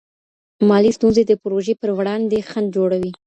مالي ستونزې د پروژې پر وړاندې خنډ جوړوي.